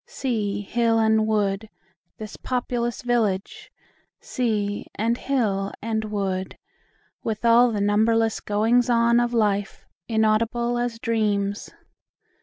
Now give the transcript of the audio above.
Sea, hill, and wood, This populous village! Sea, and hill, and wood, With all the numberless goings on of life, Inaudible as dreams!